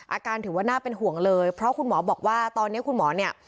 ถือว่าน่าเป็นห่วงเลยเพราะคุณหมอบอกว่าตอนนี้คุณหมอเนี่ย